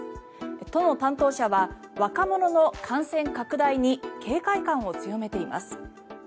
都の担当者は若者の感染拡大に警戒感を強めています。